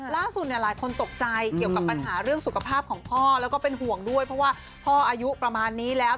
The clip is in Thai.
หลายคนตกใจเกี่ยวกับปัญหาเรื่องสุขภาพของพ่อแล้วก็เป็นห่วงด้วยเพราะว่าพ่ออายุประมาณนี้แล้ว